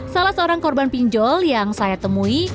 salah seorang korban pinjol yang saya temui